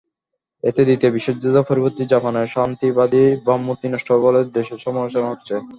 এতে দ্বিতীয় বিশ্বযুদ্ধ-পরবর্তী জাপানের শান্তিবাদী ভাবমূর্তি নষ্ট হবে বলে দেশে সমালোচনা হচ্ছে।